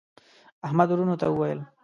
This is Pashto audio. احمد وروڼو ته وویل: